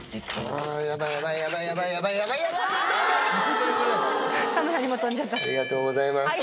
ありがとうございます。